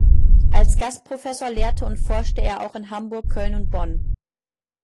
Als Gastprofessor lehrte und forschte er auch in Hamburg, Köln und Bonn.